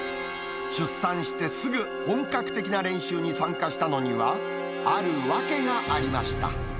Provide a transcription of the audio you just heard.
出産してすぐ本格的な練習に参加したのには、ある訳がありました。